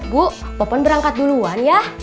bu open berangkat duluan ya